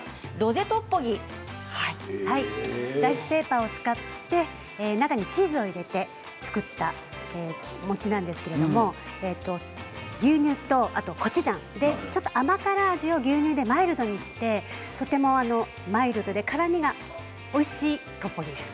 ライスペーパーを使って中にチーズを入れて作ったお餅なんですけれど牛乳とコチュジャンでちょっと甘辛味を牛乳でマイルドにしてとってもマイルドで辛みがおいしいトッポギです。